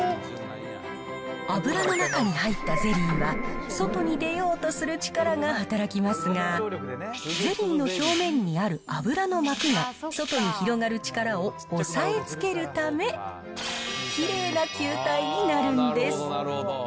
油の中に入ったゼリーは、外に出ようとする力が働きますが、ゼリーの表面にある油の膜が外に広がる力を押さえつけるため、きれいな球体になるんです。